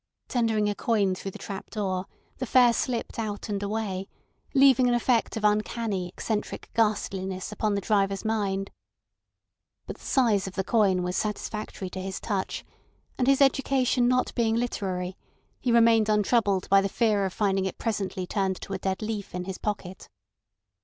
Tendering a coin through the trap door the fare slipped out and away, leaving an effect of uncanny, eccentric ghastliness upon the driver's mind. But the size of the coin was satisfactory to his touch, and his education not being literary, he remained untroubled by the fear of finding it presently turned to a dead leaf in his pocket.